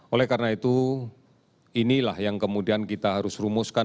oleh karena itu inilah yang kemudian kita harus rumuskan